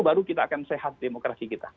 baru kita akan sehat demokrasi kita